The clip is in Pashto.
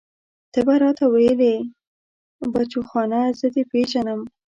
ته به راته ويلې بچوخانه زه دې پېژنم.